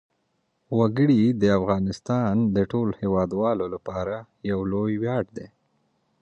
وګړي د افغانستان د ټولو هیوادوالو لپاره یو لوی ویاړ دی.